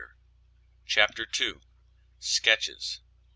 CHAPTER II. SKETCHES.